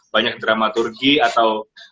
banyak dramaturgi atau